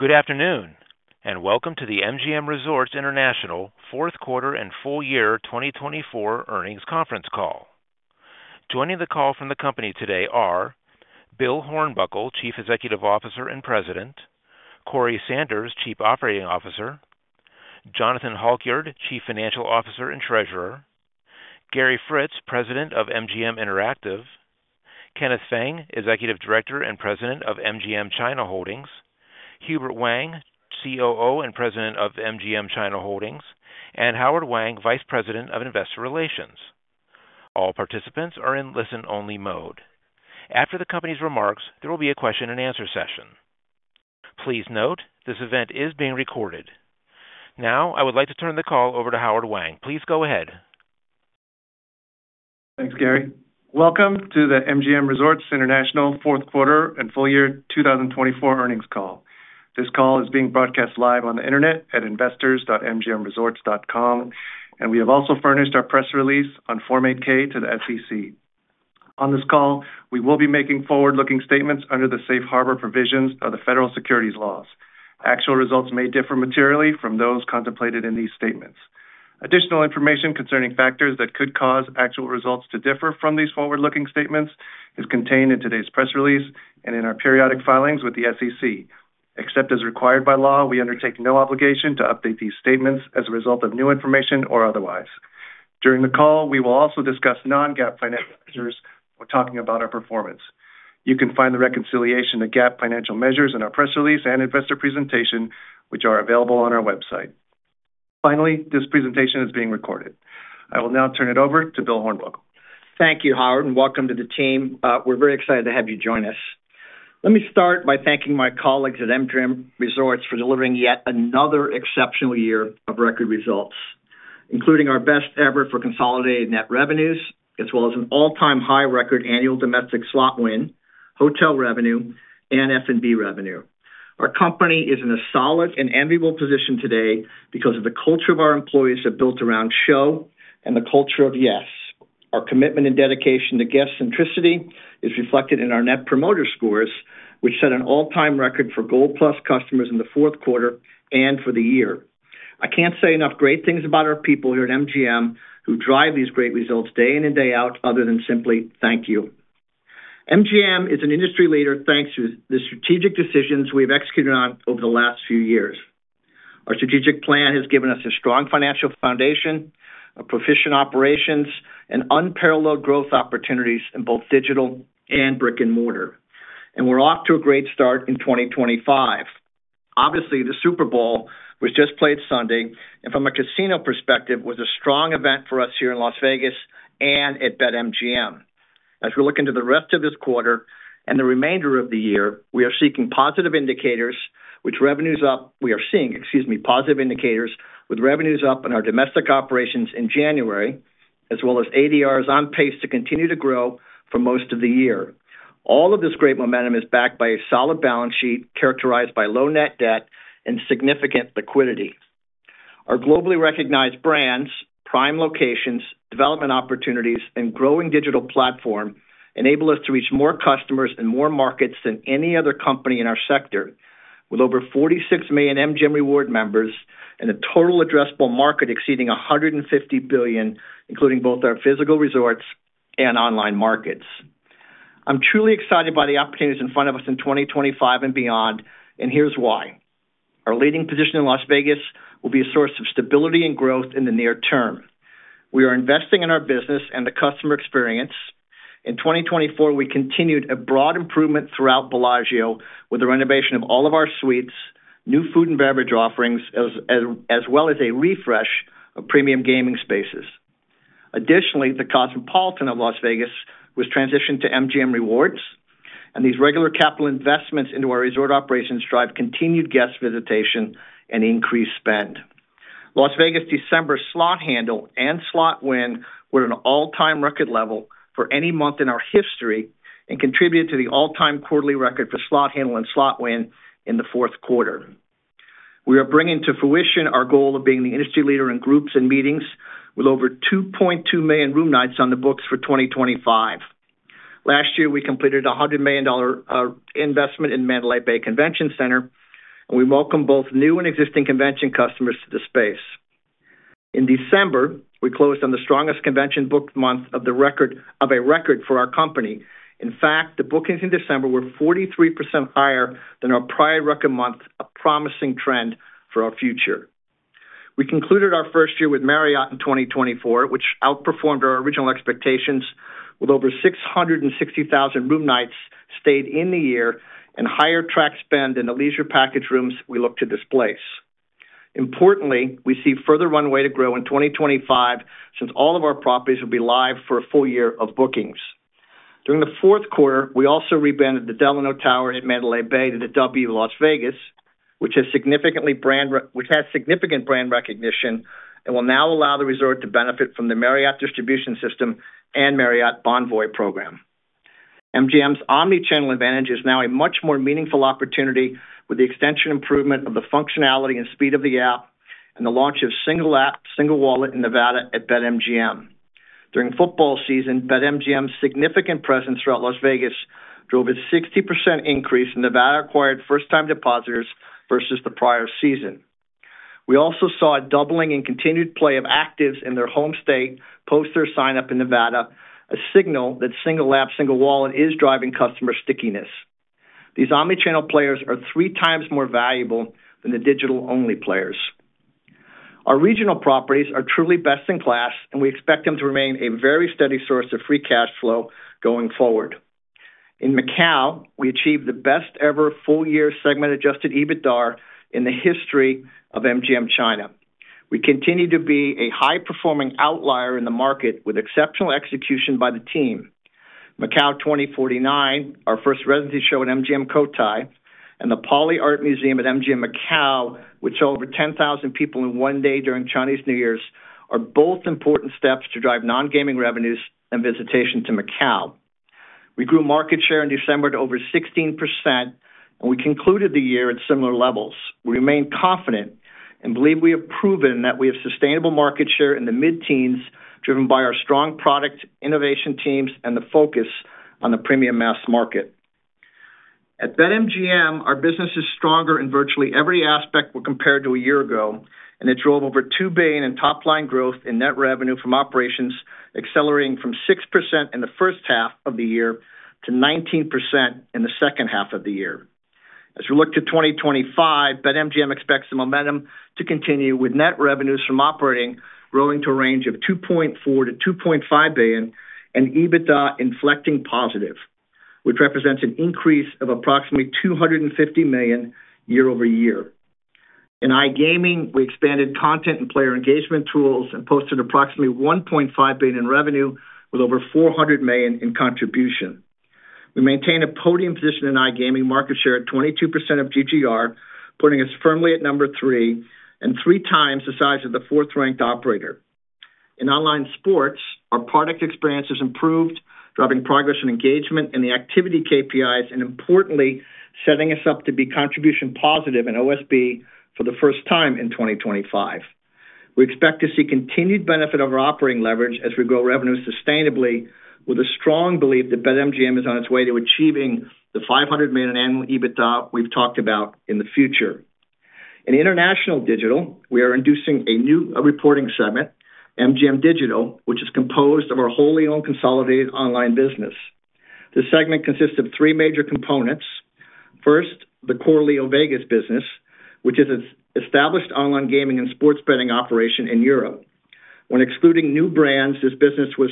Good afternoon, and welcome to the MGM Resorts International Fourth Quarter and Full Year 2024 Earnings Conference Call. Joining the call from the company today are Bill Hornbuckle, Chief Executive Officer and President, Corey Sanders, Chief Operating Officer, Jonathan Halkyard, Chief Financial Officer and Treasurer, Gary Fritz, President of MGM Interactive, Kenneth Feng, Executive Director and President of MGM China Holdings, Hubert Wang, COO and President of MGM China Holdings, and Howard Wang, Vice President of Investor Relations. All participants are in listen-only mode. After the company's remarks, there will be a question-and-answer session. Please note, this event is being recorded. Now, I would like to turn the call over to Howard Wang. Please go ahead. Thanks, Gary. Welcome to the MGM Resorts International Fourth Quarter and Full Year 2024 Earnings Call. This call is being broadcast live on the internet at investors.mgmresorts.com, and we have also furnished our press release on Form 8-K to the SEC. On this call, we will be making forward-looking statements under the safe harbor provisions of the federal securities laws. Actual results may differ materially from those contemplated in these statements. Additional information concerning factors that could cause actual results to differ from these forward-looking statements is contained in today's press release and in our periodic filings with the SEC. Except as required by law, we undertake no obligation to update these statements as a result of new information or otherwise. During the call, we will also discuss non-GAAP financial measures when talking about our performance. You can find the reconciliation of GAAP financial measures in our press release and investor presentation, which are available on our website. Finally, this presentation is being recorded. I will now turn it over to Bill Hornbuckle. Thank you, Howard, and welcome to the team. We're very excited to have you join us. Let me start by thanking my colleagues at MGM Resorts for delivering yet another exceptional year of record results, including our best ever for consolidated net revenues, as well as an all-time high record annual domestic slot win, hotel revenue, and F&B revenue. Our company is in a solid and enviable position today because of the culture of our employees that built around show and the culture of yes. Our commitment and dedication to guest centricity is reflected in our Net Promoter Scores, which set an all-time record for Gold Plus customers in the fourth quarter and for the year. I can't say enough great things about our people here at MGM who drive these great results day in and day out other than simply, "Thank you." MGM is an industry leader thanks to the strategic decisions we have executed on over the last few years. Our strategic plan has given us a strong financial foundation, proficient operations, and unparalleled growth opportunities in both digital and brick-and-mortar. And we're off to a great start in 2025. Obviously, the Super Bowl was just played Sunday, and from a casino perspective, it was a strong event for us here in Las Vegas and at BetMGM. As we look into the rest of this quarter and the remainder of the year, we are seeing, excuse me, positive indicators with revenues up in our domestic operations in January, as well as ADRs on pace to continue to grow for most of the year. All of this great momentum is backed by a solid balance sheet characterized by low net debt and significant liquidity. Our globally recognized brands, prime locations, development opportunities, and growing digital platform enable us to reach more customers and more markets than any other company in our sector, with over 46 million MGM Rewards members and a total addressable market exceeding $150 billion, including both our physical resorts and online markets. I'm truly excited by the opportunities in front of us in 2025 and beyond, and here's why. Our leading position in Las Vegas will be a source of stability and growth in the near term. We are investing in our business and the customer experience. In 2024, we continued a broad improvement throughout Bellagio with the renovation of all of our suites, new food and beverage offerings, as well as a refresh of premium gaming spaces. Additionally, The Cosmopolitan of Las Vegas was transitioned to MGM Rewards, and these regular capital investments into our resort operations drive continued guest visitation and increased spend. Las Vegas December slot handle and slot win were at an all-time record level for any month in our history and contributed to the all-time quarterly record for slot handle and slot win in the fourth quarter. We are bringing to fruition our goal of being the industry leader in groups and meetings with over 2.2 million room nights on the books for 2025. Last year, we completed a $100 million investment in Mandalay Bay Convention Center, and we welcome both new and existing convention customers to the space. In December, we closed on the strongest convention booked month of a record for our company. In fact, the bookings in December were 43% higher than our prior record month, a promising trend for our future. We concluded our first year with Marriott in 2024, which outperformed our original expectations with over 660,000 room nights stayed in the year and higher track spend in the leisure package rooms we look to displace. Importantly, we see further runway to grow in 2025 since all of our properties will be live for a full year of bookings. During the fourth quarter, we also rebranded the Delano Tower at Mandalay Bay to the W Las Vegas, which has significant brand recognition and will now allow the resort to benefit from the Marriott distribution system and Marriott Bonvoy program. MGM's omnichannel advantage is now a much more meaningful opportunity with the extensive improvement of the functionality and speed of the app and the launch of single app, single wallet in Nevada at BetMGM. During football season, BetMGM's significant presence throughout Las Vegas drove a 60% increase in Nevada-acquired first-time depositors versus the prior season. We also saw a doubling in continued play of actives in their home state post-sign-up in Nevada, a signal that single app, single wallet is driving customer stickiness. These omnichannel players are three times more valuable than the digital-only players. Our regional properties are truly best in class, and we expect them to remain a very steady source of free cash flow going forward. In Macau, we achieved the best-ever full-year segment-adjusted EBITDAR in the history of MGM China. We continue to be a high-performing outlier in the market with exceptional execution by the team. Macau 2049, our first residency show at MGM Cotai, and the Poly Art Museum at MGM Macau, which saw over 10,000 people in one day during Chinese New Year's, are both important steps to drive non-gaming revenues and visitation to Macau. We grew market share in December to over 16%, and we concluded the year at similar levels. We remain confident and believe we have proven that we have sustainable market share in the mid-teens driven by our strong product innovation teams and the focus on the premium mass market. At BetMGM, our business is stronger in virtually every aspect when compared to a year ago, and it drove over $2 billion in top-line growth in net revenue from operations, accelerating from 6% in the first half of the year to 19% in the second half of the year. As we look to 2025, BetMGM expects the momentum to continue with net revenues from operations rolling to a range of $2.4 billion-$2.5 billion and EBITDA inflecting positive, which represents an increase of approximately $250 million year-over-year. In iGaming, we expanded content and player engagement tools and posted approximately $1.5 billion in revenue with over $400 million in contribution. We maintain a podium position in iGaming, market share at 22% of GGR, putting us firmly at number three and three times the size of the fourth-ranked operator. In online sports, our product experience has improved, driving progress and engagement in the activity KPIs and, importantly, setting us up to be contribution positive in OSB for the first time in 2025. We expect to see continued benefit of our operating leverage as we grow revenue sustainably with a strong belief that BetMGM is on its way to achieving the $500 million annual EBITDA we've talked about in the future. In international digital, we are introducing a new reporting segment, MGM Digital, which is composed of our wholly owned consolidated online business. This segment consists of three major components. First, the LeoVegas business, which is an established online gaming and sports betting operation in Europe. When excluding new brands, this business was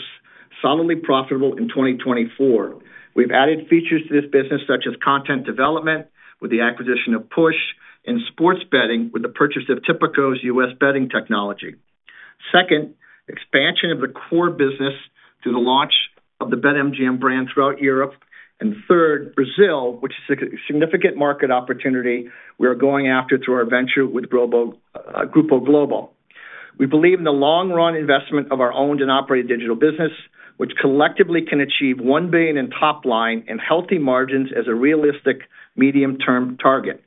solidly profitable in 2024. We've added features to this business, such as content development with the acquisition of Push and sports betting with the purchase of Tipico's U.S. betting technology. Second, expansion of the core business through the launch of the BetMGM brand throughout Europe. And third, Brazil, which is a significant market opportunity we are going after through our venture with Grupo Globo. We believe in the long-run investment of our owned and operated digital business, which collectively can achieve $1 billion in top line and healthy margins as a realistic medium-term target.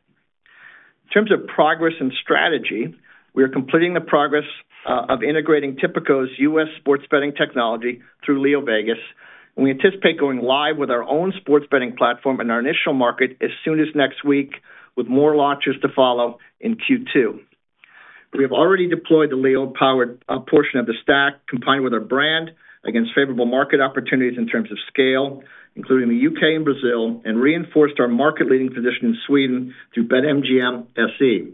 In terms of progress and strategy, we are completing the progress of integrating Tipico's U.S. sports betting technology through LeoVegas, and we anticipate going live with our own sports betting platform in our initial market as soon as next week, with more launches to follow in Q2. We have already deployed the Leo-powered portion of the stack, combined with our brand against favorable market opportunities in terms of scale, including the U.K. and Brazil, and reinforced our market-leading position in Sweden through BetMGM SE.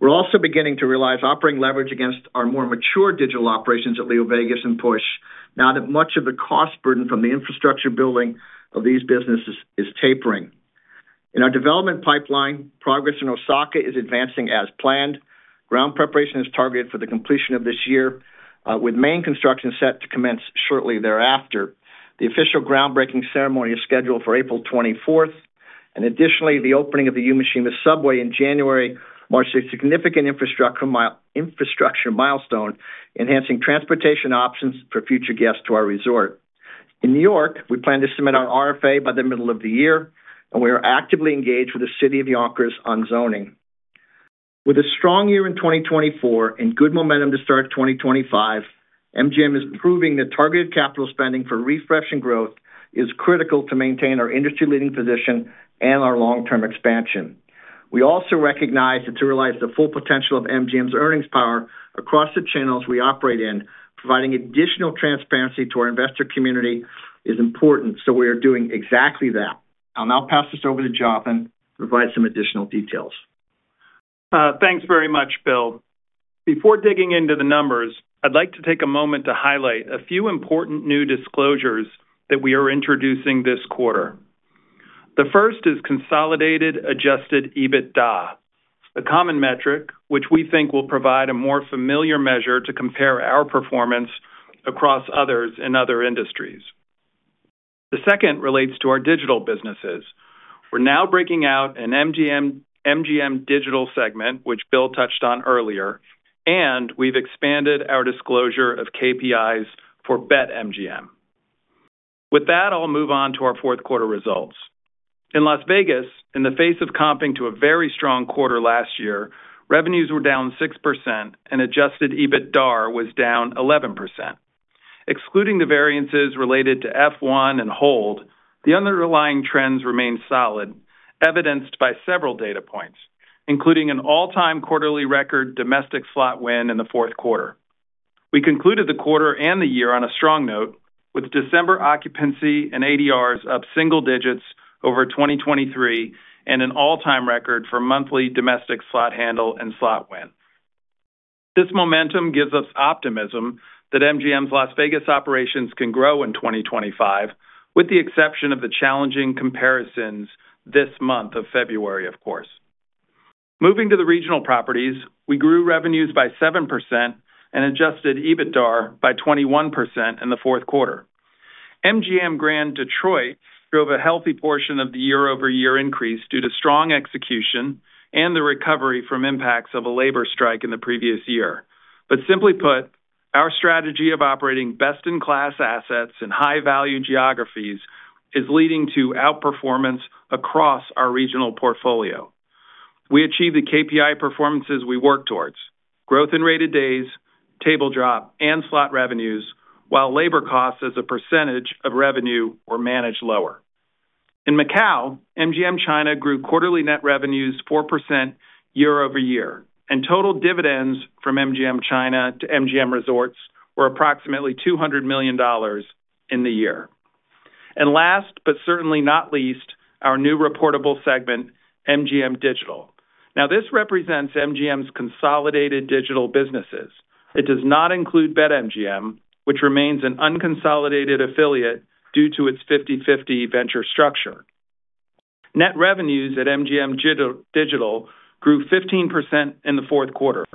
We're also beginning to realize operating leverage against our more mature digital operations at LeoVegas and Push, now that much of the cost burden from the infrastructure building of these businesses is tapering. In our development pipeline, progress in Osaka is advancing as planned. Ground preparation is targeted for the completion of this year, with main construction set to commence shortly thereafter. The official groundbreaking ceremony is scheduled for April 24th. Additionally, the opening of the Yumeshima Subway in January marks a significant infrastructure milestone, enhancing transportation options for future guests to our resort. In New York, we plan to submit our RFA by the middle of the year, and we are actively engaged with the City of Yonkers on zoning. With a strong year in 2024 and good momentum to start 2025, MGM is proving that targeted capital spending for refresh and growth is critical to maintain our industry-leading position and our long-term expansion. We also recognize that to realize the full potential of MGM's earnings power across the channels we operate in, providing additional transparency to our investor community is important, so we are doing exactly that. I'll now pass this over to Jonathan to provide some additional details. Thanks very much, Bill. Before digging into the numbers, I'd like to take a moment to highlight a few important new disclosures that we are introducing this quarter. The first is consolidated adjusted EBITDA, a common metric which we think will provide a more familiar measure to compare our performance across others in other industries. The second relates to our digital businesses. We're now breaking out an MGM Digital segment, which Bill touched on earlier, and we've expanded our disclosure of KPIs for BetMGM. With that, I'll move on to our fourth quarter results. In Las Vegas, in the face of comping to a very strong quarter last year, revenues were down 6% and adjusted EBITDA was down 11%. Excluding the variances related to F1 and Hold, the underlying trends remain solid, evidenced by several data points, including an all-time quarterly record domestic slot win in the fourth quarter. We concluded the quarter and the year on a strong note, with December occupancy and ADRs up single digits over 2023 and an all-time record for monthly domestic slot handle and slot win. This momentum gives us optimism that MGM's Las Vegas operations can grow in 2025, with the exception of the challenging comparisons this month of February, of course. Moving to the regional properties, we grew revenues by 7% and adjusted EBITDAR by 21% in the fourth quarter. MGM Grand Detroit drove a healthy portion of the year-over-year increase due to strong execution and the recovery from impacts of a labor strike in the previous year. But simply put, our strategy of operating best-in-class assets in high-value geographies is leading to outperformance across our regional portfolio. We achieved the KPI performances we work towards: growth in rated days, table drop, and slot revenues, while labor costs as a percentage of revenue were managed lower. In Macau, MGM China grew quarterly net revenues 4% year-over-year, and total dividends from MGM China to MGM Resorts were approximately $200 million in the year, and last, but certainly not least, our new reportable segment, MGM Digital. Now, this represents MGM's consolidated digital businesses. It does not include BetMGM, which remains an unconsolidated affiliate due to its 50/50 venture structure. Net revenues at MGM Digital grew 15% in the fourth quarter.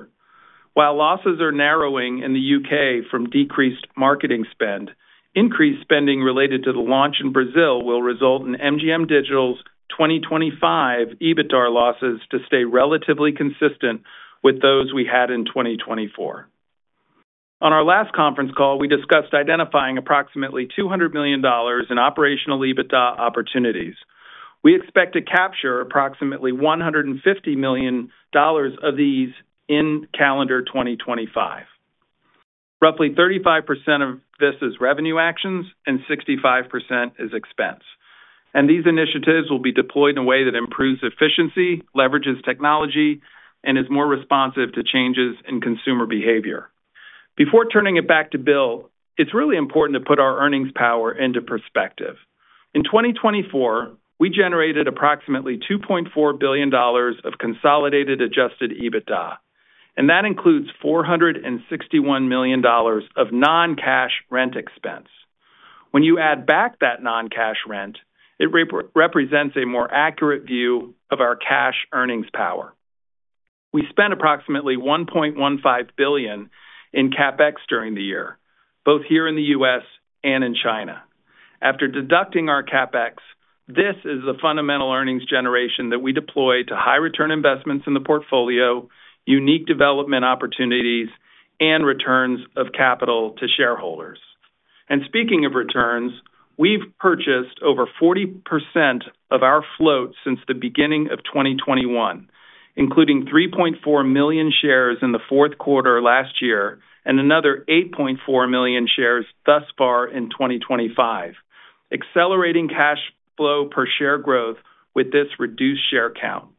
While losses are narrowing in the U.K. from decreased marketing spend, increased spending related to the launch in Brazil will result in MGM Digital's 2025 EBITDAR losses to stay relatively consistent with those we had in 2024. On our last conference call, we discussed identifying approximately $200 million in operational EBITDA opportunities. We expect to capture approximately $150 million of these in calendar 2025. Roughly 35% of this is revenue actions and 65% is expense, and these initiatives will be deployed in a way that improves efficiency, leverages technology, and is more responsive to changes in consumer behavior. Before turning it back to Bill, it's really important to put our earnings power into perspective. In 2024, we generated approximately $2.4 billion of consolidated adjusted EBITDA, and that includes $461 million of non-cash rent expense. When you add back that non-cash rent, it represents a more accurate view of our cash earnings power. We spent approximately $1.15 billion in CapEx during the year, both here in the U.S. and in China. After deducting our CapEx, this is the fundamental earnings generation that we deploy to high-return investments in the portfolio, unique development opportunities, and returns of capital to shareholders, and speaking of returns, we've purchased over 40% of our float since the beginning of 2021, including 3.4 million shares in the fourth quarter last year and another 8.4 million shares thus far in 2025, accelerating cash flow per share growth with this reduced share count.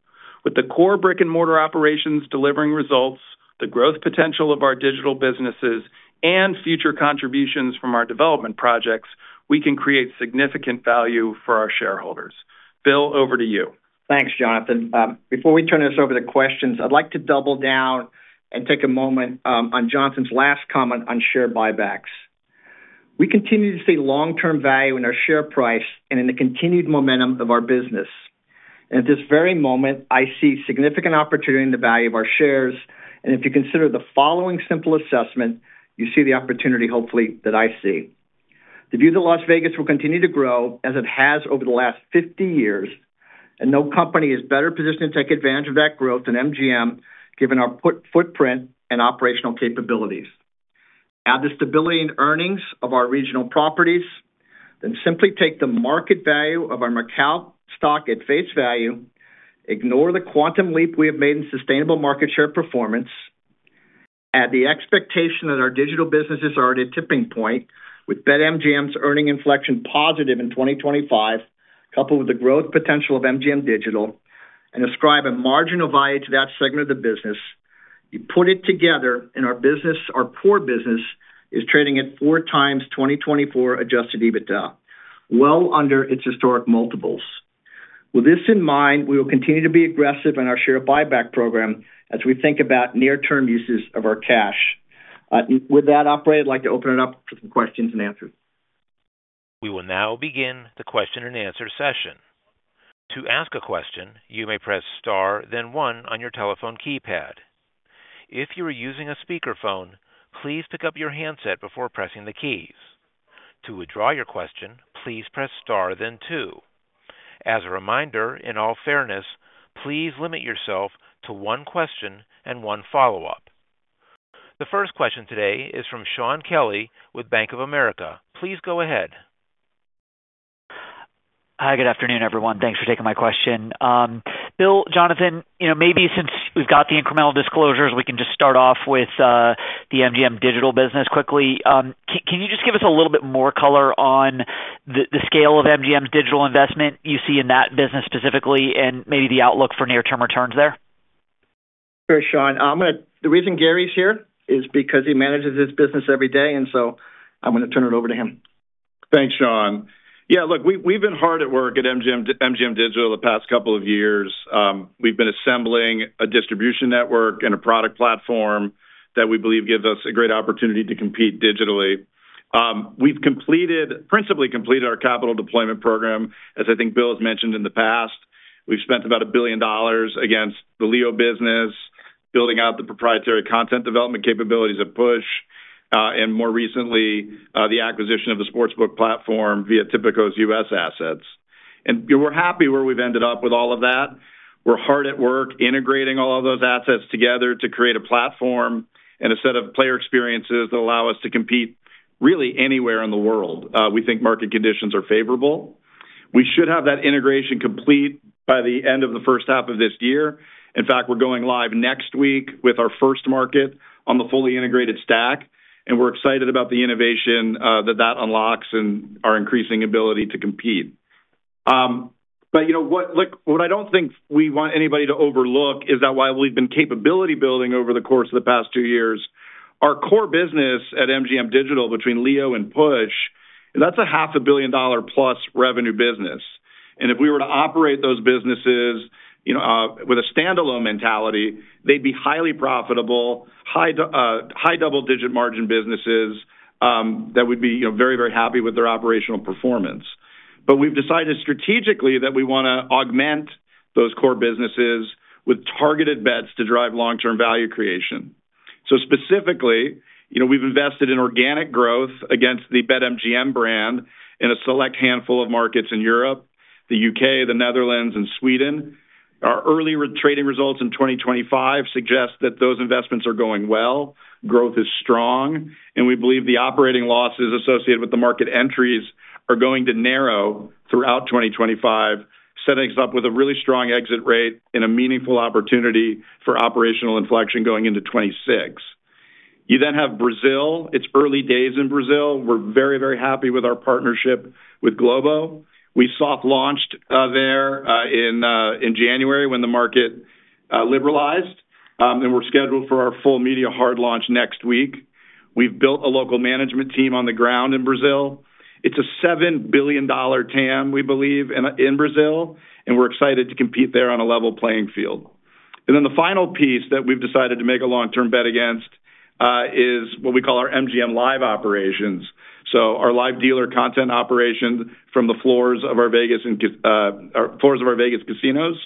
With the core brick-and-mortar operations delivering results, the growth potential of our digital businesses, and future contributions from our development projects, we can create significant value for our shareholders. Bill, over to you. Thanks, Jonathan. Before we turn this over to questions, I'd like to double down and take a moment on Jonathan's last comment on share buybacks. We continue to see long-term value in our share price and in the continued momentum of our business. And at this very moment, I see significant opportunity in the value of our shares. And if you consider the following simple assessment, you see the opportunity, hopefully, that I see. The view that Las Vegas will continue to grow as it has over the last 50 years, and no company is better positioned to take advantage of that growth than MGM, given our footprint and operational capabilities. Add the stability in earnings of our regional properties, then simply take the market value of our Macau stock at face value, ignore the quantum leap we have made in sustainable market share performance, add the expectation that our digital businesses are at a tipping point, with BetMGM's earnings inflection positive in 2025, coupled with the growth potential of MGM Digital, and ascribe a marginal value to that segment of the business. You put it together, and our core business is trading at four times 2024 adjusted EBITDA, well under its historic multiples. With this in mind, we will continue to be aggressive in our share buyback program as we think about near-term uses of our cash. With that, Operator, I'd like to open it up for some questions and answers. We will now begin the question and answer session. To ask a question, you may press *, then 1 on your telephone keypad. If you are using a speakerphone, please pick up your handset before pressing the keys. To withdraw your question, please press *, then 2. As a reminder, in all fairness, please limit yourself to one question and one follow-up. The first question today is from Shaun Kelley with Bank of America. Please go ahead. Hi, good afternoon, everyone. Thanks for taking my question. Bill, Jonathan, maybe since we've got the incremental disclosures, we can just start off with the MGM Digital business quickly. Can you just give us a little bit more color on the scale of MGM's digital investment you see in that business specifically and maybe the outlook for near-term returns there? Sure, Shaun. The reason Gary's here is because he manages this business every day, and so I'm going to turn it over to him. Thanks, Shaun. Yeah, look, we've been hard at work at MGM Digital the past couple of years. We've been assembling a distribution network and a product platform that we believe gives us a great opportunity to compete digitally. We've principally completed our capital deployment program, as I think Bill has mentioned in the past. We've spent about $1 billion against the Leo business, building out the proprietary content development capabilities at Push, and more recently, the acquisition of the sportsbook platform via Tipico's U.S. assets. And we're happy where we've ended up with all of that. We're hard at work integrating all of those assets together to create a platform and a set of player experiences that allow us to compete really anywhere in the world. We think market conditions are favorable. We should have that integration complete by the end of the first half of this year. In fact, we're going live next week with our first market on the fully integrated stack, and we're excited about the innovation that that unlocks and our increasing ability to compete. But what I don't think we want anybody to overlook is that while we've been capability-building over the course of the past two years, our core business at MGM Digital between Leo and Push, that's a $500 million-plus revenue business. And if we were to operate those businesses with a standalone mentality, they'd be highly profitable, high double-digit margin businesses that would be very, very happy with their operational performance. But we've decided strategically that we want to augment those core businesses with targeted bets to drive long-term value creation. So specifically, we've invested in organic growth against the BetMGM brand in a select handful of markets in Europe: the UK, the Netherlands, and Sweden. Our early trading results in 2025 suggest that those investments are going well. Growth is strong, and we believe the operating losses associated with the market entries are going to narrow throughout 2025, setting us up with a really strong exit rate and a meaningful opportunity for operational inflection going into 2026. You then have Brazil. It's early days in Brazil. We're very, very happy with our partnership with Globo. We soft-launched there in January when the market liberalized, and we're scheduled for our full media hard launch next week. We've built a local management team on the ground in Brazil. It's a $7 billion TAM, we believe, in Brazil, and we're excited to compete there on a level playing field. And then the final piece that we've decided to make a long-term bet against is what we call our MGM Live operations. So, our live dealer content operations from the floors of our Vegas casinos.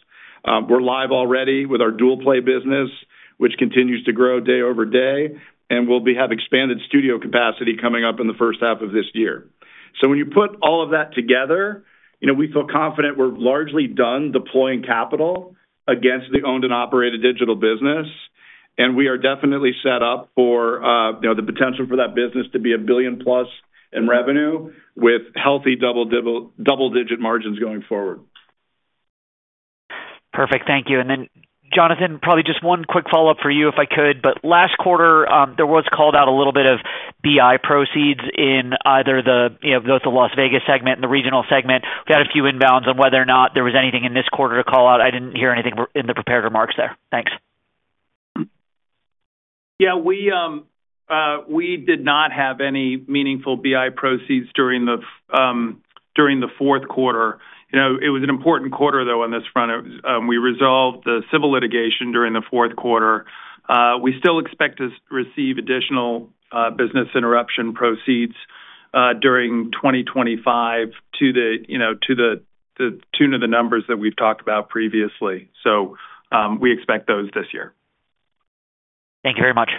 We're live already with our dual-play business, which continues to grow day over day, and we'll have expanded studio capacity coming up in the first half of this year. So, when you put all of that together, we feel confident we're largely done deploying capital against the owned and operated digital business, and we are definitely set up for the potential for that business to be a billion-plus in revenue with healthy double-digit margins going forward. Perfect. Thank you. And then, Jonathan, probably just one quick follow-up for you, if I could. But last quarter, there was called out a little bit of BI proceeds in either the Las Vegas segment and the regional segment. We had a few inbounds on whether or not there was anything in this quarter to call out. I didn't hear anything in the prepared remarks there. Thanks. Yeah, we did not have any meaningful BI proceeds during the fourth quarter. It was an important quarter, though, on this front. We resolved the civil litigation during the fourth quarter. We still expect to receive additional business interruption proceeds during 2025 to the tune of the numbers that we've talked about previously, so we expect those this year. Thank you very much.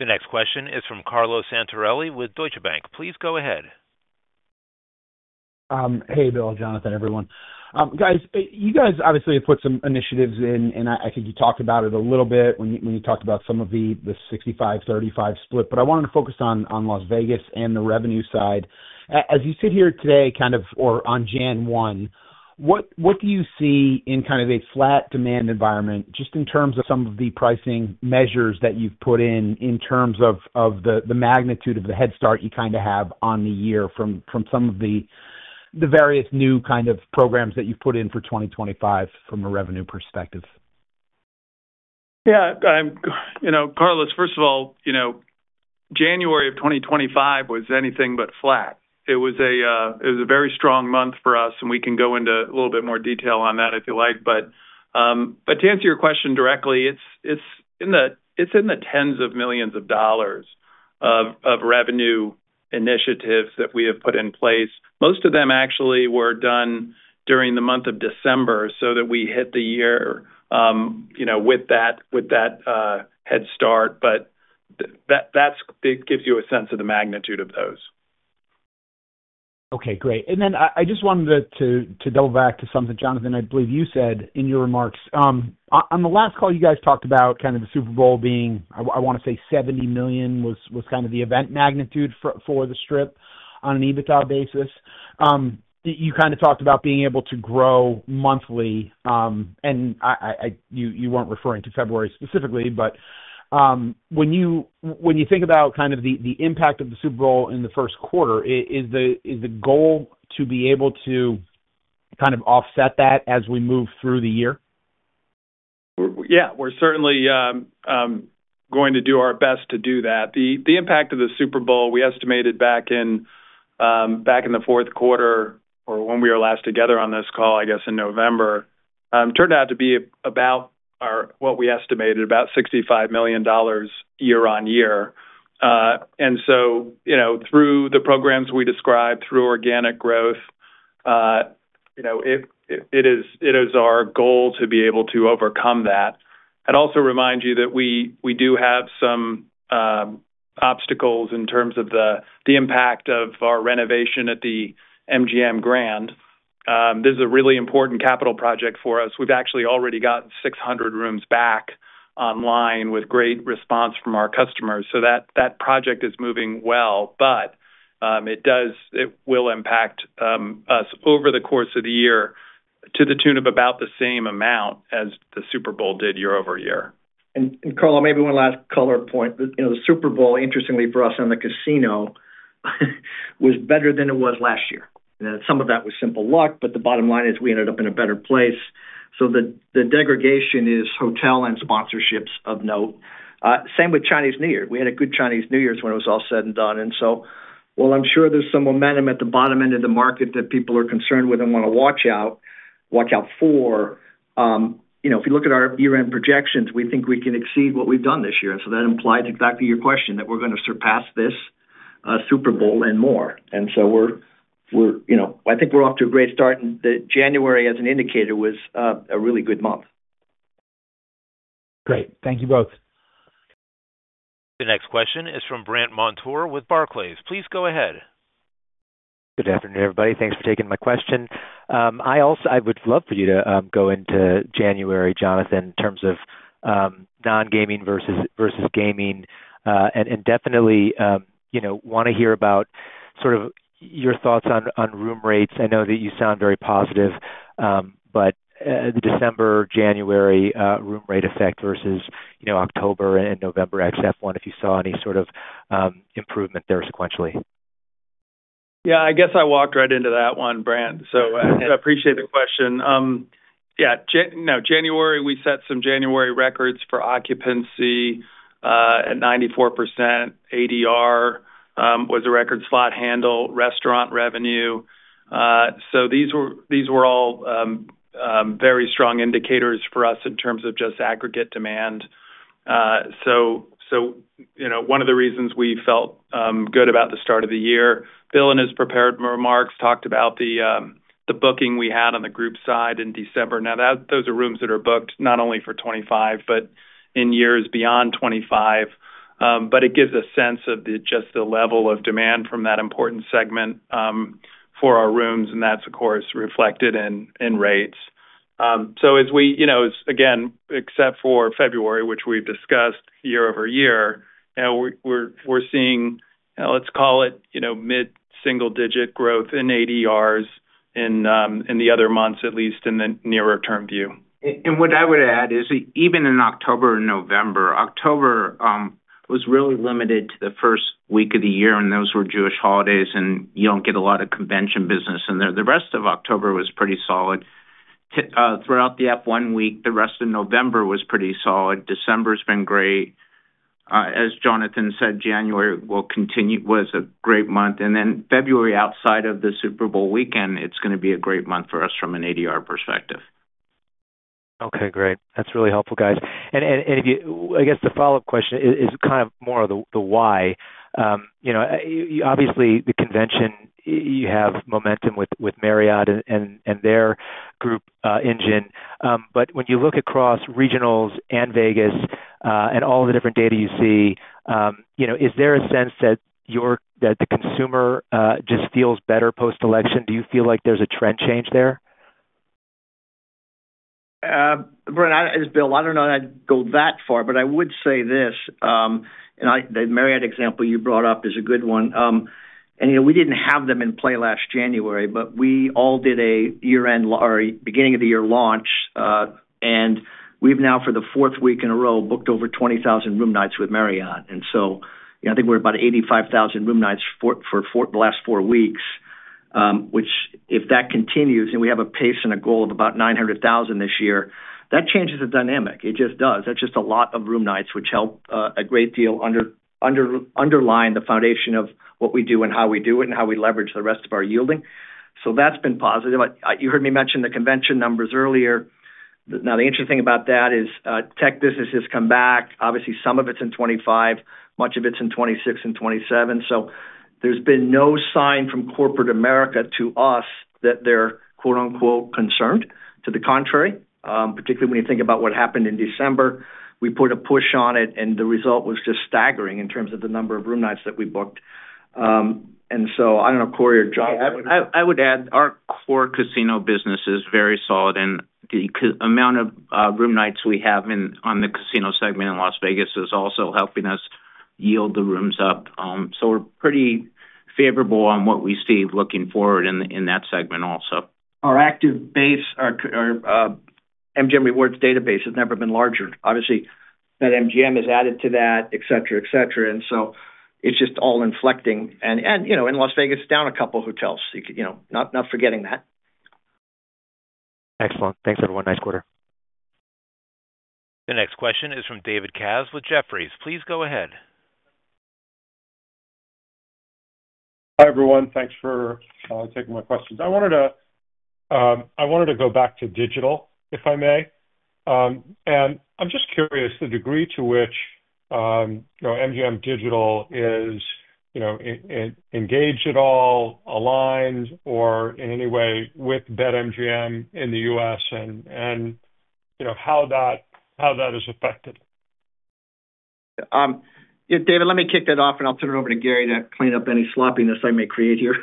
The next question is from Carlo Santarelli with Deutsche Bank. Please go ahead. Hey, Bill, Jonathan, everyone. Guys, you guys obviously have put some initiatives in, and I think you talked about it a little bit when you talked about some of the 65/35 split. But I wanted to focus on Las Vegas and the revenue side. As you sit here today kind of or on January 1, what do you see in kind of a flat demand environment just in terms of some of the pricing measures that you've put in in terms of the magnitude of the head start you kind of have on the year from some of the various new kind of programs that you've put in for 2025 from a revenue perspective? Yeah. Carlo, first of all, January of 2025 was anything but flat. It was a very strong month for us, and we can go into a little bit more detail on that if you like. But to answer your question directly, it's in the tens of millions of dollars of revenue initiatives that we have put in place. Most of them actually were done during the month of December so that we hit the year with that head start. But that gives you a sense of the magnitude of those. Okay. Great. And then I just wanted to double back to something, Jonathan, I believe you said in your remarks. On the last call, you guys talked about kind of the Super Bowl being, I want to say, $70 million was kind of the event magnitude for the strip on an EBITDA basis. You kind of talked about being able to grow monthly, and you weren't referring to February specifically. But when you think about kind of the impact of the Super Bowl in the first quarter, is the goal to be able to kind of offset that as we move through the year? Yeah. We're certainly going to do our best to do that. The impact of the Super Bowl, we estimated back in the fourth quarter or when we were last together on this call, I guess, in November, turned out to be about what we estimated, about $65 million year-on-year. And so through the programs we described, through organic growth, it is our goal to be able to overcome that. I'd also remind you that we do have some obstacles in terms of the impact of our renovation at the MGM Grand. This is a really important capital project for us. We've actually already got 600 rooms back online with great response from our customers. So that project is moving well. But it will impact us over the course of the year to the tune of about the same amount as the Super Bowl did year over year. Carl, maybe one last color point. The Super Bowl, interestingly for us in the casino, was better than it was last year. Some of that was simple luck, but the bottom line is we ended up in a better place. So the degradation is hotel and sponsorships, of note. Same with Chinese New Year. We had a good Chinese New Year when it was all said and done. And so, well, I'm sure there's some momentum at the bottom end of the market that people are concerned with and want to watch out for. If you look at our year-end projections, we think we can exceed what we've done this year. So that implies exactly your question that we're going to surpass this Super Bowl and more. And so I think we're off to a great start, and January as an indicator was a really good month. Great. Thank you both. The next question is from Brandt Montour with Barclays. Please go ahead. Good afternoon, everybody. Thanks for taking my question. I would love for you to go into January, Jonathan, in terms of non-gaming versus gaming. And definitely want to hear about sort of your thoughts on room rates. I know that you sound very positive, but the December, January room rate effect versus October and November ex-F1, if you saw any sort of improvement there sequentially? Yeah. I guess I walked right into that one, Brandt. So I appreciate the question. Yeah. No, January, we set some January records for occupancy at 94%. ADR was a record slot handle, restaurant revenue. So these were all very strong indicators for us in terms of just aggregate demand. So one of the reasons we felt good about the start of the year, Bill, in his prepared remarks, talked about the booking we had on the group side in December. Now, those are rooms that are booked not only for 2025, but in years beyond 2025. But it gives a sense of just the level of demand from that important segment for our rooms, and that's, of course, reflected in rates. As we, again, except for February, which we've discussed year over year, we're seeing, let's call it mid-single-digit growth in ADRs in the other months, at least in the nearer-term view. What I would add is even in October and November, October was really limited to the first week of the year, and those were Jewish holidays, and you don't get a lot of convention business. The rest of October was pretty solid. Throughout the F1 week, the rest of November was pretty solid. December's been great. As Jonathan said, January was a great month. Then February, outside of the Super Bowl weekend, it's going to be a great month for us from an ADR perspective. Okay. Great. That's really helpful, guys. And I guess the follow-up question is kind of more of the why. Obviously, the convention, you have momentum with Marriott and their group engine. But when you look across regionals and Vegas and all the different data you see, is there a sense that the consumer just feels better post-election? Do you feel like there's a trend change there? Brandt, as Bill, I don't know that I'd go that far, but I would say this. And the Marriott example you brought up is a good one. And we didn't have them in play last January, but we all did a year-end or beginning-of-the-year launch. And we've now, for the fourth week in a row, booked over 20,000 room nights with Marriott. And so I think we're about 85,000 room nights for the last four weeks, which if that continues, and we have a pace and a goal of about 900,000 this year, that changes the dynamic. It just does. That's just a lot of room nights, which help a great deal underline the foundation of what we do and how we do it and how we leverage the rest of our yielding. So that's been positive. You heard me mention the convention numbers earlier. Now, the interesting thing about that is tech businesses come back. Obviously, some of it's in 2025, much of it's in 2026 and 2027. So there's been no sign from corporate America to us that they're "concerned." To the contrary, particularly when you think about what happened in December, we put a push on it, and the result was just staggering in terms of the number of room nights that we booked, and so I don't know, Corey or John. I would add our core casino business is very solid, and the amount of room nights we have on the casino segment in Las Vegas is also helping us yield the rooms up, so we're pretty favorable on what we see looking forward in that segment also. Our active base or MGM Rewards database has never been larger. Obviously, that MGM has added to that, etc., etc. And so it's just all inflecting. And in Las Vegas, down a couple of hotels. Not forgetting that. Excellent. Thanks, everyone. Nice quarter. The next question is from David Katz with Jefferies. Please go ahead. Hi, everyone. Thanks for taking my questions. I wanted to go back to digital, if I may, and I'm just curious the degree to which MGM Digital is engaged at all, aligned, or in any way with BetMGM in the U.S., and how that is affected. David, let me kick that off, and I'll turn it over to Gary to clean up any sloppiness I may create here.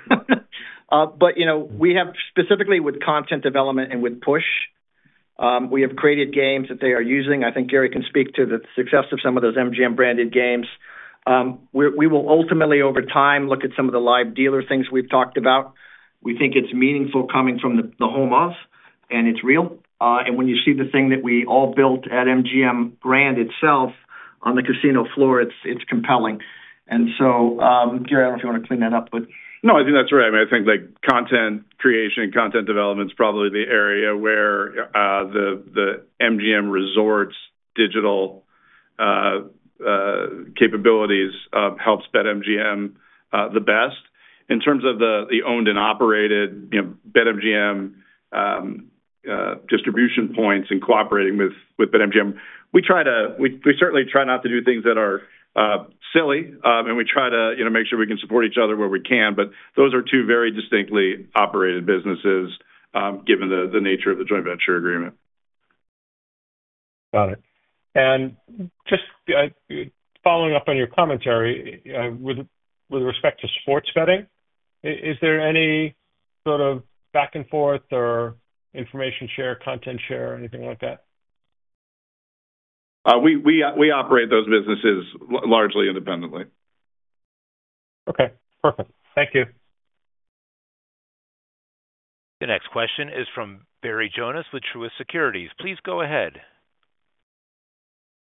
But we have, specifically with content development and with Push, we have created games that they are using. I think Gary can speak to the success of some of those MGM-branded games. We will ultimately, over time, look at some of the live dealer things we've talked about. We think it's meaningful coming from the home of, and it's real. And when you see the thing that we all built at MGM Grand itself on the casino floor, it's compelling. And so, Gary, I don't know if you want to clean that up, but. No, I think that's right. I mean, I think content creation, content development is probably the area where the MGM Resorts digital capabilities helps BetMGM the best. In terms of the owned and operated BetMGM distribution points and cooperating with BetMGM, we certainly try not to do things that are silly, and we try to make sure we can support each other where we can. But those are two very distinctly operated businesses given the nature of the joint venture agreement. Got it. And just following up on your commentary, with respect to sports betting, is there any sort of back and forth or information share, content share, anything like that? We operate those businesses largely independently. Okay. Perfect. Thank you. The next question is from Barry Jonas with Truist Securities. Please go ahead.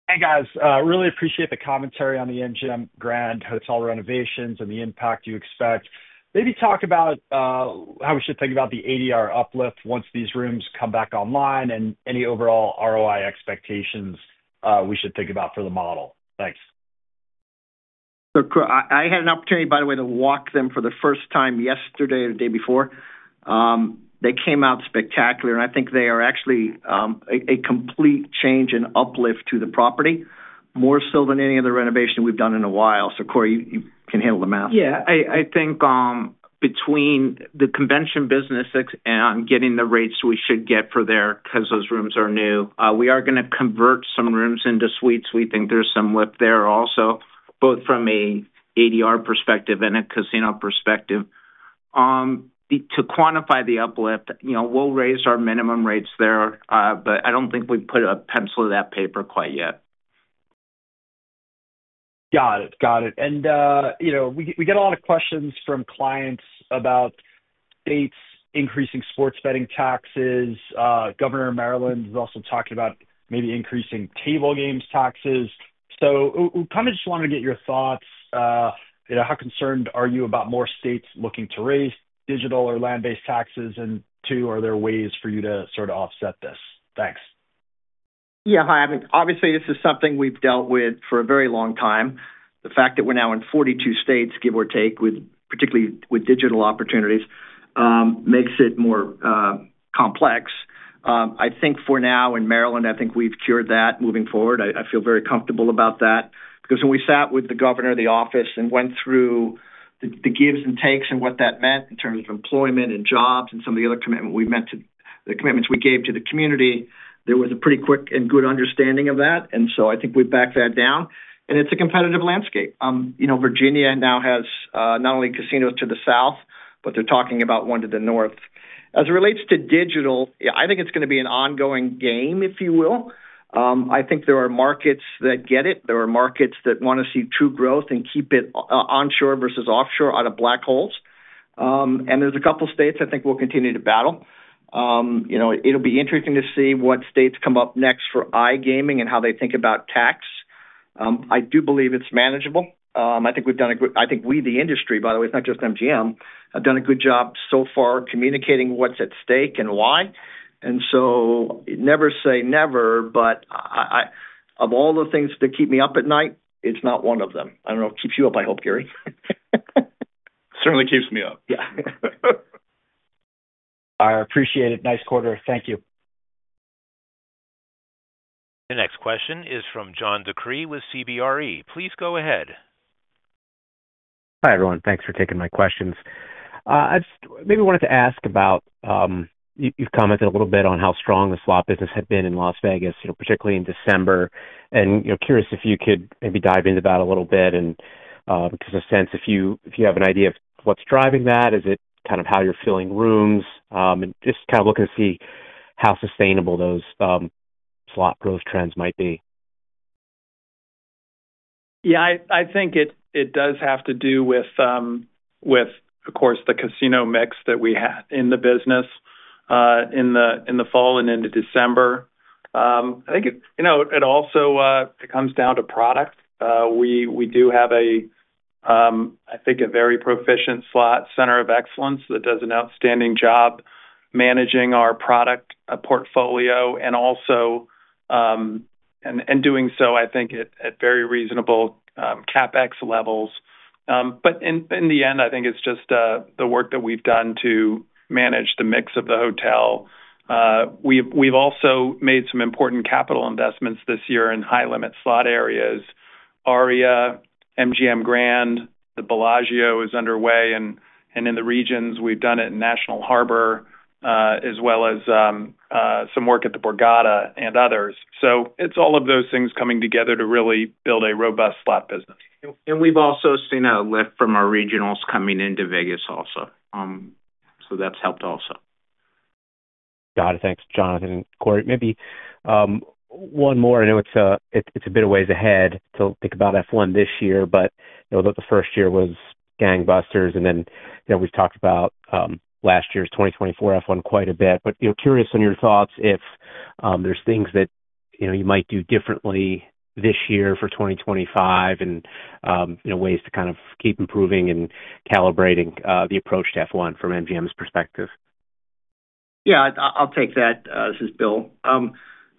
Hey, guys. Really appreciate the commentary on the MGM Grand hotel renovations and the impact you expect. Maybe talk about how we should think about the ADR uplift once these rooms come back online and any overall ROI expectations we should think about for the model. Thanks. So I had an opportunity, by the way, to walk them for the first time yesterday or the day before. They came out spectacular, and I think they are actually a complete change and uplift to the property, more so than any other renovation we've done in a while. So Corey, you can handle the math. Yeah. I think between the convention business and getting the rates we should get for there, because those rooms are new, we are going to convert some rooms into suites. We think there's some lift there also, both from an ADR perspective and a casino perspective. To quantify the uplift, we'll raise our minimum rates there, but I don't think we've put a pencil to that paper quite yet. Got it. Got it. And we get a lot of questions from clients about states increasing sports betting taxes. Governor of Maryland is also talking about maybe increasing table games taxes. So we kind of just wanted to get your thoughts. How concerned are you about more states looking to raise digital or land-based taxes? And two, are there ways for you to sort of offset this? Thanks. Yeah. Hi. Obviously, this is something we've dealt with for a very long time. The fact that we're now in 42 states, give or take, particularly with digital opportunities, makes it more complex. I think for now, in Maryland, I think we've cured that moving forward. I feel very comfortable about that because when we sat with the Governor's office and went through the gives and takes and what that meant in terms of employment and jobs and some of the other commitments we gave to the community, there was a pretty quick and good understanding of that. And so I think we've backed that down. And it's a competitive landscape. Virginia now has not only casinos to the south, but they're talking about one to the north. As it relates to digital, I think it's going to be an ongoing game, if you will. I think there are markets that get it. There are markets that want to see true growth and keep it onshore versus offshore out of black holes. And there's a couple of states I think we'll continue to battle. It'll be interesting to see what states come up next for iGaming and how they think about tax. I do believe it's manageable. I think we've done a good - I think we, the industry, by the way, it's not just MGM, have done a good job so far communicating what's at stake and why. And so never say never, but of all the things that keep me up at night, it's not one of them. I don't know. It keeps you up, I hope, Gary. Certainly keeps me up. Yeah. I appreciate it. Nice quarter. Thank you. The next question is from John DeCree with CBRE. Please go ahead. Hi, everyone. Thanks for taking my questions. I just maybe wanted to ask about. You've commented a little bit on how strong the slot business had been in Las Vegas, particularly in December, and curious if you could maybe dive into that a little bit and get a sense if you have an idea of what's driving that, is it kind of how you're filling rooms, and just kind of looking to see how sustainable those slot growth trends might be? Yeah. I think it does have to do with, of course, the casino mix that we had in the business in the fall and into December. I think it also comes down to product. We do have, I think, a very proficient slot center of excellence that does an outstanding job managing our product portfolio and doing so, I think, at very reasonable CapEx levels. But in the end, I think it's just the work that we've done to manage the mix of the hotel. We've also made some important capital investments this year in high-limit slot areas, ARIA, MGM Grand. The Bellagio is underway, and in the regions, we've done it in National Harbor as well as some work at the Borgata and others. So it's all of those things coming together to really build a robust slot business. And we've also seen an uplift from our regionals coming into Vegas also. So that's helped also. Got it. Thanks, Jonathan and Corey. Maybe one more. I know it's a bit of ways ahead to think about F1 this year, but I know that the first year was gangbusters. And then we've talked about last year's 2024 F1 quite a bit. But curious on your thoughts if there's things that you might do differently this year for 2025 and ways to kind of keep improving and calibrating the approach to F1 from MGM's perspective? Yeah. I'll take that. This is Bill.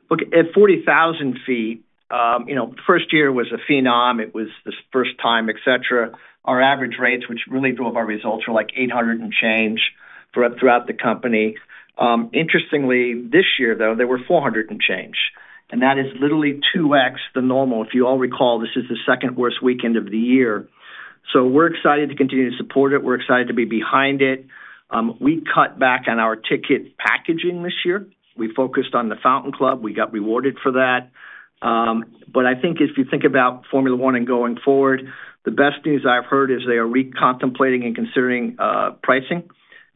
Look, at 40,000 feet, the first year was a phenom. It was the first time, etc. Our average rates, which really drove our results, are like $800 and change throughout the company. Interestingly, this year, though, they were $400 and change. And that is literally 2x the normal. If you all recall, this is the second worst weekend of the year. So we're excited to continue to support it. We're excited to be behind it. We cut back on our ticket packaging this year. We focused on the Fountain Club. We got rewarded for that. But I think if you think about Formula One and going forward, the best news I've heard is they are recontemplating and considering pricing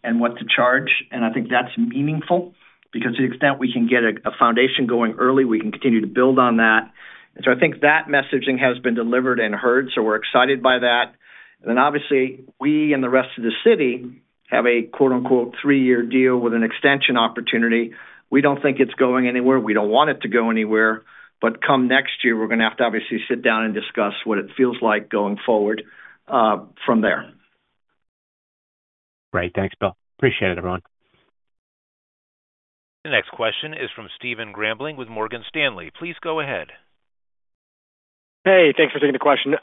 and what to charge. And I think that's meaningful because to the extent we can get a foundation going early, we can continue to build on that. And so I think that messaging has been delivered and heard. So we're excited by that. And then obviously, we and the rest of the city have a "three-year deal" with an extension opportunity. We don't think it's going anywhere. We don't want it to go anywhere. But come next year, we're going to have to obviously sit down and discuss what it feels like going forward from there. Great. Thanks, Bill. Appreciate it, everyone. The next question is from Steven Grambling with Morgan Stanley. Please go ahead. Hey, thanks for taking the question.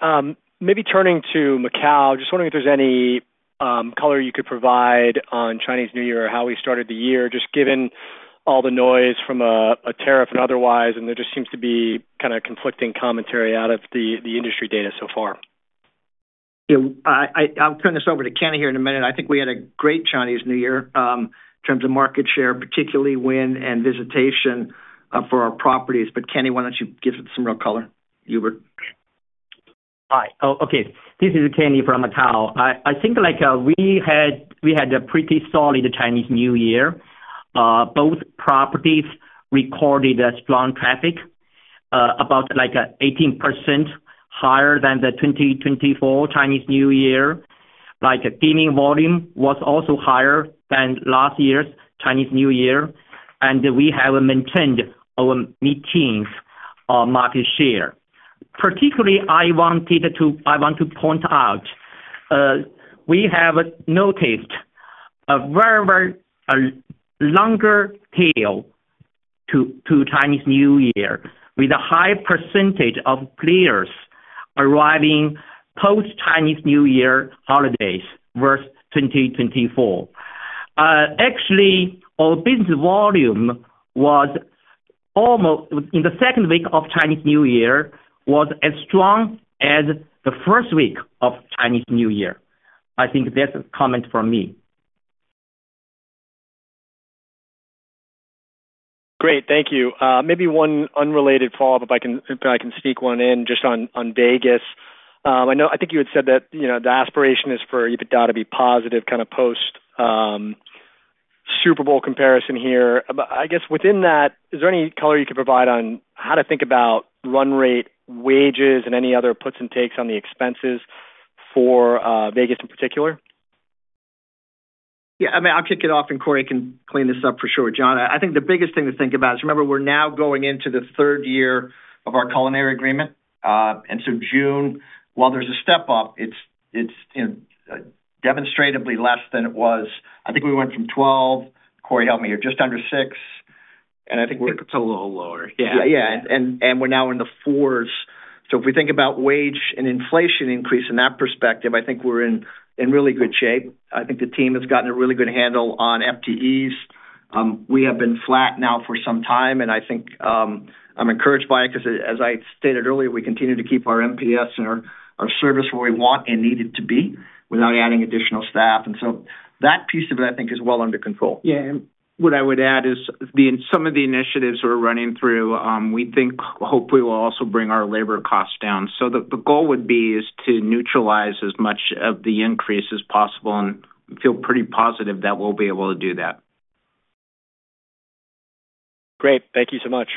Maybe turning to Macau, just wondering if there's any color you could provide on Chinese New Year or how we started the year, just given all the noise from a tariff and otherwise, and there just seems to be kind of conflicting commentary out of the industry data so far. Yeah. I'll turn this over to Kenny here in a minute. I think we had a great Chinese New Year in terms of market share, particularly win and visitation for our properties. But Kenny, why don't you give some real color? Hubert? Hi. Oh, okay. This is Kenny from Macau. I think we had a pretty solid Chinese New Year. Both properties recorded strong traffic, about 18% higher than the 2024 Chinese New Year. Gaming volume was also higher than last year's Chinese New Year. And we have maintained our 18% market share. Particularly, I want to point out we have noticed a very, very longer tail to Chinese New Year with a high percentage of players arriving post-Chinese New Year holidays versus 2024. Actually, our business volume was almost in the second week of Chinese New Year as strong as the first week of Chinese New Year. I think that's a comment from me. Great. Thank you. Maybe one unrelated follow-up, if I can sneak one in, just on Vegas. I think you had said that the aspiration is for you to be positive kind of post-Super Bowl comparison here. I guess within that, is there any color you could provide on how to think about run rate wages, and any other puts and takes on the expenses for Vegas in particular? Yeah. I mean, I'll kick it off, and Corey can clean this up for sure. John, I think the biggest thing to think about is, remember, we're now going into the third year of our culinary agreement, and so June, while there's a step up, it's demonstrably less than it was. I think we went from 12, Corey helped me here, just under six, and I think we're. I think it's a little lower. Yeah. Yeah. And we're now in the fours. So if we think about wage and inflation increase in that perspective, I think we're in really good shape. I think the team has gotten a really good handle on FTEs. We have been flat now for some time, and I think I'm encouraged by it because, as I stated earlier, we continue to keep our MPS and our service where we want and need it to be without adding additional staff. And so that piece of it, I think, is well under control. Yeah, and what I would add is some of the initiatives we're running through, we think, hopefully, will also bring our labor costs down. So the goal would be to neutralize as much of the increase as possible and feel pretty positive that we'll be able to do that. Great. Thank you so much.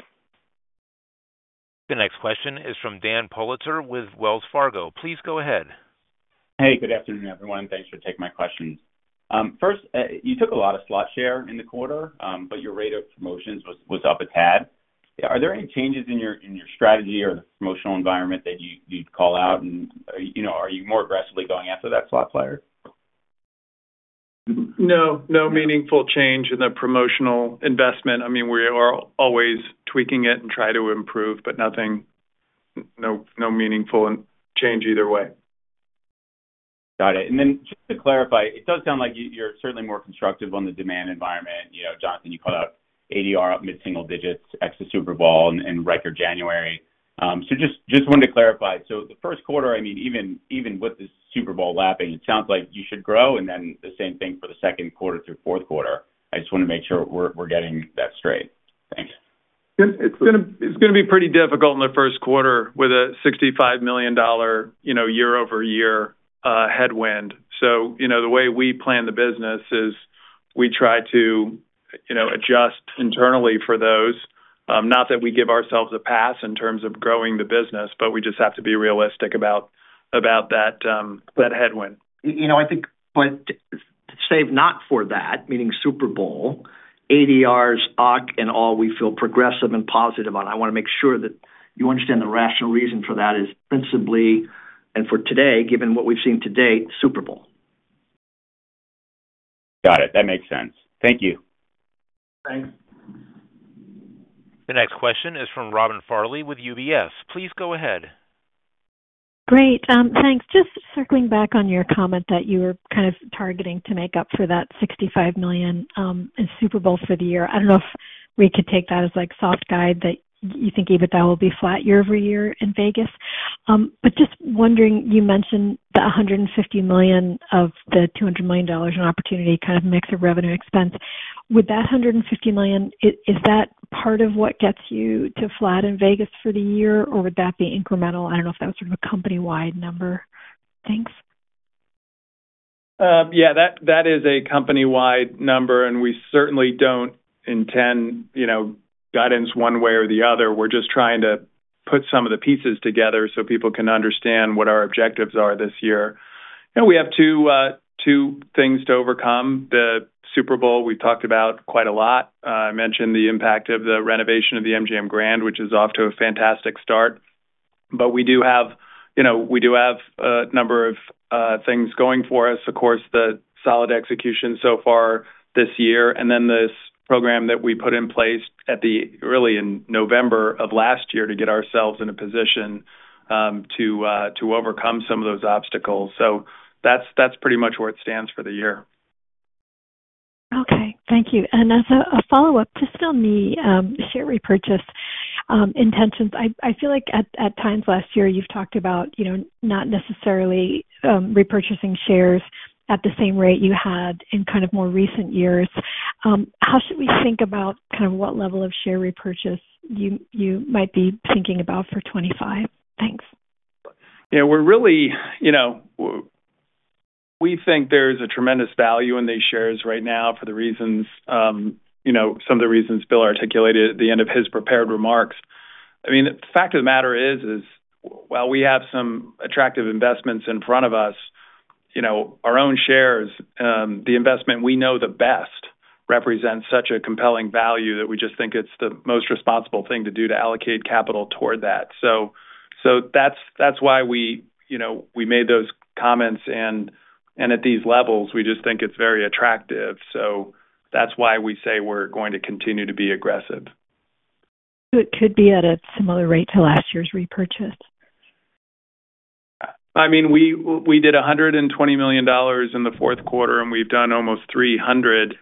The next question is from Dan Politzer with Wells Fargo. Please go ahead. Hey, good afternoon, everyone. Thanks for taking my questions. First, you took a lot of slot share in the quarter, but your rate of promotions was up a tad. Are there any changes in your strategy or the promotional environment that you'd call out? And are you more aggressively going after that slot player? No. No meaningful change in the promotional investment. I mean, we are always tweaking it and try to improve, but no meaningful change either way. Got it. And then just to clarify, it does sound like you're certainly more constructive on the demand environment. Jonathan, you called out ADR up mid-single digits, exit Super Bowl, and record January. So just wanted to clarify. So the first quarter, I mean, even with the Super Bowl lapping, it sounds like you should grow. And then the same thing for the second quarter through fourth quarter. I just want to make sure we're getting that straight. Thanks. It's going to be pretty difficult in the first quarter with a $65 million year-over-year headwind. So the way we plan the business is we try to adjust internally for those. Not that we give ourselves a pass in terms of growing the business, but we just have to be realistic about that headwind. I think. But save not for that, meaning Super Bowl, ADRs, OCC, and all we feel progressive and positive on. I want to make sure that you understand the rational reason for that is principally and for today, given what we've seen to date, Super Bowl. Got it. That makes sense. Thank you. Thanks. The next question is from Robin Farley with UBS. Please go ahead. Great. Thanks. Just circling back on your comment that you were kind of targeting to make up for that $65 million in Super Bowl for the year. I don't know if we could take that as soft guide that you think even that will be flat year-over-year in Vegas. But just wondering, you mentioned the $150 million of the $200 million in opportunity kind of mix of revenue and expense. Would that $150 million, is that part of what gets you to flat in Vegas for the year, or would that be incremental? I don't know if that was sort of a company-wide number. Thanks. Yeah. That is a company-wide number, and we certainly don't intend guidance one way or the other. We're just trying to put some of the pieces together so people can understand what our objectives are this year. We have two things to overcome. The Super Bowl, we've talked about quite a lot. I mentioned the impact of the renovation of the MGM Grand, which is off to a fantastic start. But we do have a number of things going for us. Of course, the solid execution so far this year, and then this program that we put in place early in November of last year to get ourselves in a position to overcome some of those obstacles. So that's pretty much where it stands for the year. Okay. Thank you. And as a follow-up, just on the share repurchase intentions, I feel like at times last year, you've talked about not necessarily repurchasing shares at the same rate you had in kind of more recent years. How should we think about kind of what level of share repurchase you might be thinking about for 2025? Thanks. Yeah. We think there's a tremendous value in these shares right now for some of the reasons Bill articulated at the end of his prepared remarks. I mean, the fact of the matter is, while we have some attractive investments in front of us, our own shares, the investment we know the best represents such a compelling value that we just think it's the most responsible thing to do to allocate capital toward that. So that's why we made those comments. And at these levels, we just think it's very attractive. So that's why we say we're going to continue to be aggressive. So it could be at a similar rate to last year's repurchase? I mean, we did $120 million in the fourth quarter, and we've done almost $300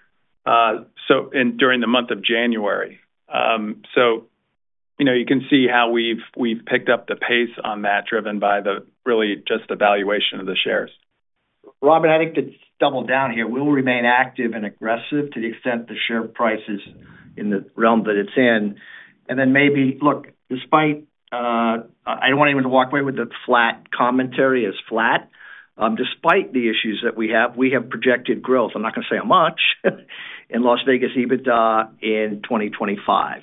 million during the month of January. So you can see how we've picked up the pace on that, driven by really just the valuation of the shares. Robin, I think to double down here, we'll remain active and aggressive to the extent the share price is in the realm that it's in and then maybe, look, despite, I don't want anyone to walk away with the flat commentary as flat. Despite the issues that we have, we have projected growth. I'm not going to say much on Las Vegas EBITDA in 2025.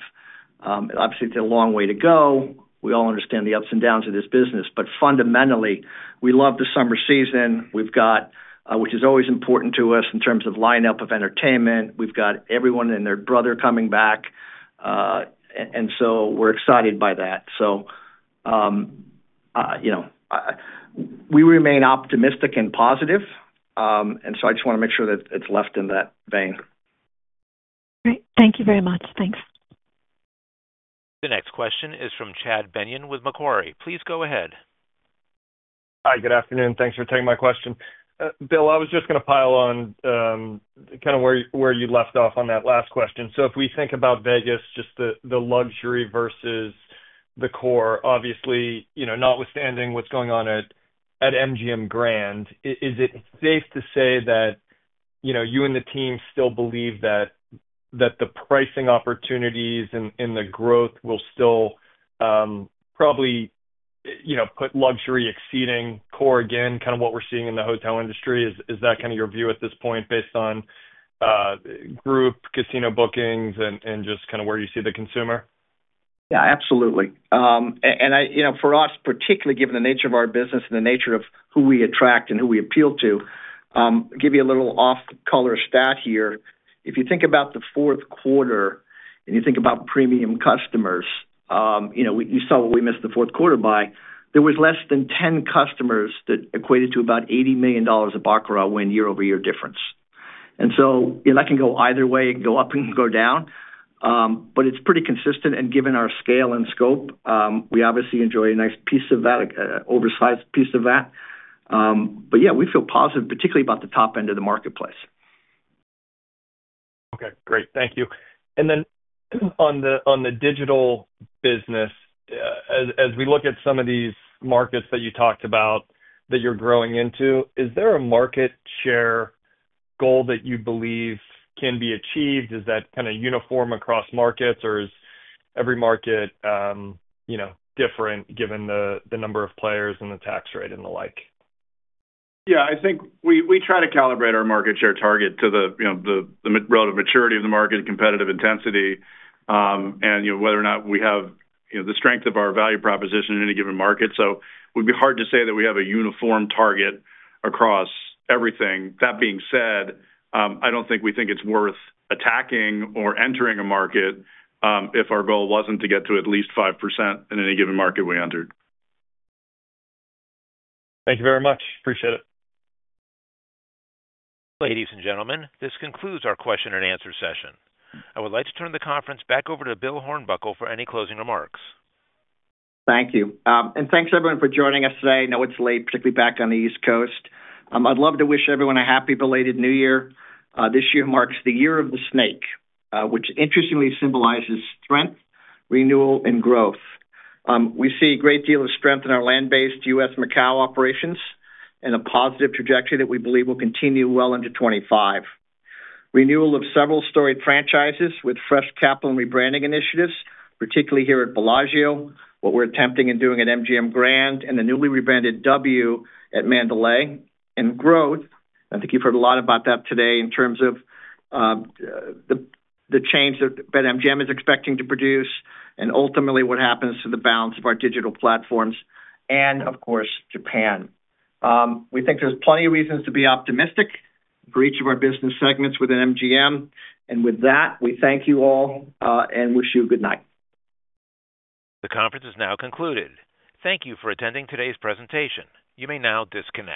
Obviously, it's a long way to go. We all understand the ups and downs of this business, but fundamentally, we love the summer season, which is always important to us in terms of lineup of entertainment. We've got everyone and their brother coming back, and so we're excited by that, so we remain optimistic and positive, and so I just want to make sure that it's left in that vein. Great. Thank you very much. Thanks. The next question is from Chad Beynon with Macquarie. Please go ahead. Hi. Good afternoon. Thanks for taking my question. Bill, I was just going to pile on kind of where you left off on that last question. So if we think about Vegas, just the luxury versus the core, obviously, notwithstanding what's going on at MGM Grand, is it safe to say that you and the team still believe that the pricing opportunities and the growth will still probably put luxury exceeding core again, kind of what we're seeing in the hotel industry? Is that kind of your view at this point based on group casino bookings and just kind of where you see the consumer? Yeah. Absolutely. And for us, particularly given the nature of our business and the nature of who we attract and who we appeal to, give you a little off-color stat here. If you think about the fourth quarter and you think about premium customers, you saw what we missed the fourth quarter by. There was less than 10 customers that equated to about $80 million of baccarat win year-over-year difference. And so that can go either way. It can go up and go down. But it's pretty consistent. And given our scale and scope, we obviously enjoy a nice piece of that, oversized piece of that. But yeah, we feel positive, particularly about the top end of the marketplace. Okay. Great. Thank you. And then on the digital business, as we look at some of these markets that you talked about that you're growing into, is there a market share goal that you believe can be achieved? Is that kind of uniform across markets, or is every market different given the number of players and the tax rate and the like? Yeah. I think we try to calibrate our market share target to the relative maturity of the market, competitive intensity, and whether or not we have the strength of our value proposition in any given market. So it would be hard to say that we have a uniform target across everything. That being said, I don't think we think it's worth attacking or entering a market if our goal wasn't to get to at least 5% in any given market we entered. Thank you very much. Appreciate it. Ladies and gentlemen, this concludes our question and answer session. I would like to turn the conference back over to Bill Hornbuckle for any closing remarks. Thank you. And thanks to everyone for joining us today. I know it's late, particularly back on the East Coast. I'd love to wish everyone a happy belated New Year. This year marks the Year of the Snake, which interestingly symbolizes strength, renewal, and growth. We see a great deal of strength in our land-based U.S. Macau operations and a positive trajectory that we believe will continue well into 2025. Renewal of several storied franchises with fresh capital and rebranding initiatives, particularly here at Bellagio, what we're attempting and doing at MGM Grand and the newly rebranded W at Mandalay, and growth. I think you've heard a lot about that today in terms of the change that MGM is expecting to produce and ultimately what happens to the balance of our digital platforms and, of course, Japan. We think there's plenty of reasons to be optimistic for each of our business segments within MGM. And with that, we thank you all and wish you a good night. The conference is now concluded. Thank you for attending today's presentation. You may now disconnect.